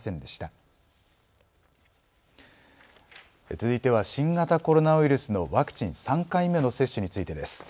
続いては新型コロナウイルスのワクチン、３回目の接種についてです。